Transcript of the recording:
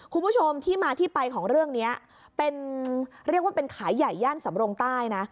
คุณผู้ชมที่มาที่ไปของเรื่องนี้เป็นเรียกว่าเป็นขายใหญ่ย่านสำรงใต้นะ